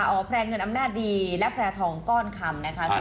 อ๋อแนงน้ำหน้าดีและแทองก้อนคำนะคะ